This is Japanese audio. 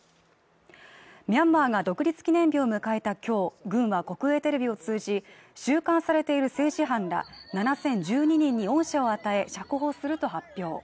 ミャンマーが独立記念日を迎えた今日軍は国営テレビを通じ収監されている政治犯ら７０１２人に恩赦を与え釈放すると発表